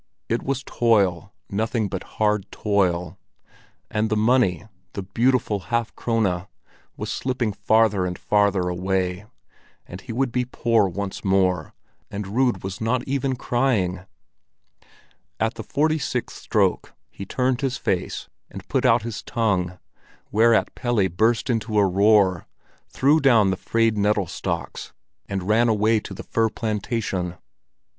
It was toil, nothing but hard toil. And the money—the beautiful half krone—was slipping farther and farther away, and he would be poor once more; and Rud was not even crying! At the forty sixth stroke he turned his face and put out his tongue, whereat Pelle burst into a roar, threw down the frayed nettle stalks, and ran away to the fir plantation.